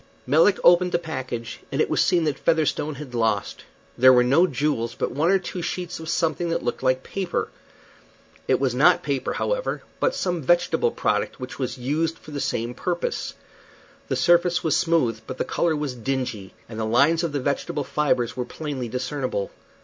Melick opened the package, and it was seen that Featherstone had lost. There were no jewels, but one or two sheets of something that looked like paper. It was not paper, however, but some vegetable product which was used for the same purpose. The surface was smooth, but the color was dingy, and the lines of the vegetable fibres were plainly discernible.